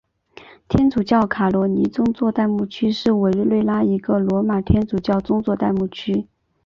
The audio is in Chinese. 天主教卡罗尼宗座代牧区是委内瑞拉一个罗马天主教宗座代牧区。